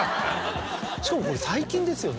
しかもこれ最近ですよね。